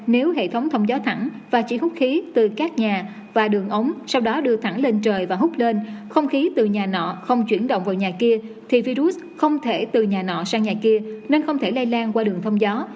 nếu hệ thống thông gió thẳng và chỉ hút khí từ các nhà và đường ống sau đó đưa thẳng lên trời và hút lên không khí từ nhà nọ không chuyển động vào nhà kia thì virus không thể từ nhà nọ sang nhà kia nên không thể lây lan qua đường thông gió